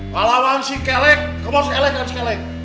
kalau lawan si kelek kamu harus elek kan si kelek